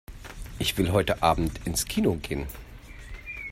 Ich will heute Abend ins Kino gehen.